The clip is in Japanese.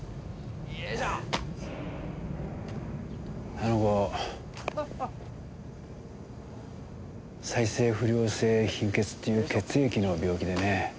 あの子再生不良性貧血っていう血液の病気でね。